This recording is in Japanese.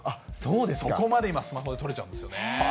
そこまで今、スマホで撮れちゃうんですよね。